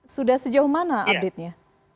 sudah sejauh mana update nya